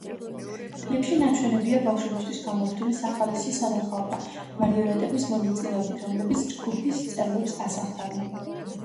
კლიპში ნაჩვენებია ბავშვებისათვის გამართული სახალისო სანახაობა მარიონეტების მონაწილეობით, რომლებიც ჯგუფის წევრებს ასახავენ.